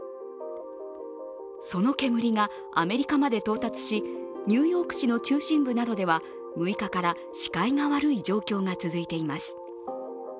その煙がアメリカまで到達し、ニューヨーク市の中心部などでは６日から視界が悪い状況が続いています。